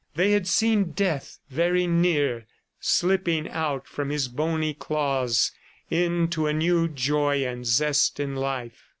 They had seen Death very near, slipping out from his bony claws into a new joy and zest in life.